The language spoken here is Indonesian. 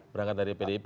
berangkat dari pdip